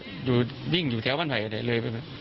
โดยริ่งอยู่แถวบ้านไผลกันเลยไหมเนี่ย